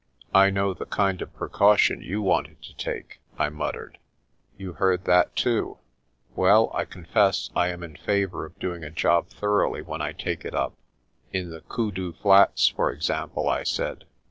"I know the kind of precaution you wanted to take," I muttered. "You heard that too? Well, I confess I am in favour of doing a job thoroughly when I take it up." "In the Koodoo Flats, for example," I said.